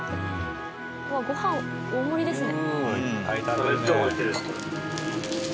うわご飯大盛りですね。